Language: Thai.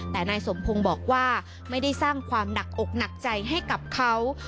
แต่นายสมพงศ์บอกว่าไม่ได้สร้างความหนักอกหนักใจให้กับเขา